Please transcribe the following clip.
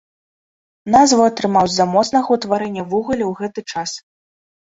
Назву атрымаў з-за моцнага ўтварэння вугалю ў гэты час.